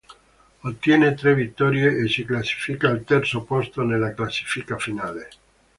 Ottiene tre vittorie e si classifica al terzo posto nella classifica finale.